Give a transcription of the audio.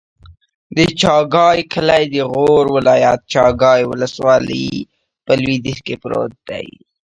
د چاګای کلی د غور ولایت، چاګای ولسوالي په لویدیځ کې پروت دی.